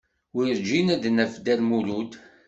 Werǧin ad d-naf Dda Lmulud.